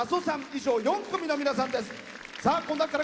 以上、４組の皆さんです。